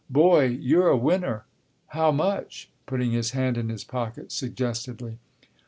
Boy, you're a winner. How much?" putting his hand in his pocket suggestively.